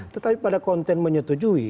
tetapi pada konten menyetujui